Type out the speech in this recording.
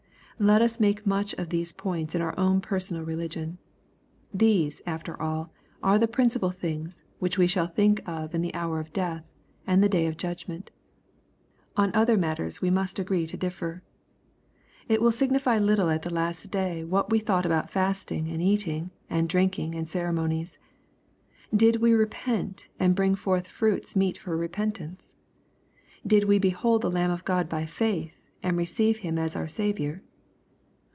Let us make much of these points in our own personal religion. These, after all, are the principal things which we shall think of in the hour of death, and the day of judgment. On other matters we must agree to differ. It will sig nify little at the last day what we thought about fasting, and eating, and drinking, and ceremonies. Did we re pent, and bring forth fruits meet for repentance ? Did we behold the Lamb of God by faith, and receive Him as our Saviour